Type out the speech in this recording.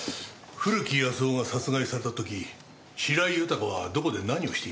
古木保男が殺害された時白井豊はどこで何をしていたんだ？